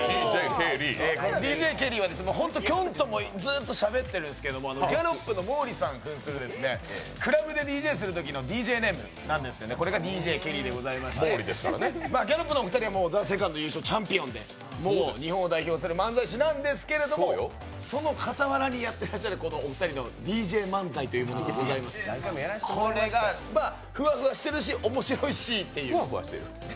ＤＪＫＥＬＬＹはきょんともずっとしゃべってるんですけど、ギャロップの毛利さんふんするクラブでＤＪするときのＤＪネームなんですよね、これがＤＪＫＥＬＬＹでございましてギャロップのお二人は「ＴＨＥＳＥＣＯＮＤ」優勝のチャンピオンでございまして、日本を代表する漫才師なんですけれども、日本を代表する漫才師なんですけれども、その傍らにやってらっしゃるお二人のＤＪ漫才というものがありましてこれが、フワフワしてるし面白いしという。